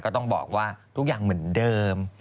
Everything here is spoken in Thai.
ก็ต้องบอกว่าทุกอย่างเหมือนเดิม